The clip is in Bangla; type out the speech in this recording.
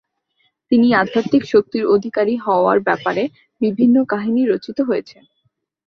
তিনি আধ্যাত্মিক শক্তির অধিকারী হওয়ার ব্যাপারে বিভিন্ন কাহিনী রচিত হয়েছে।